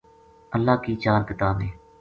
اللہ کی چار کتاب ہیں۔